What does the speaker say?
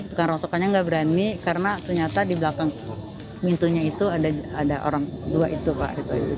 tukang rontokannya nggak berani karena ternyata di belakang pintunya itu ada orang dua itu pak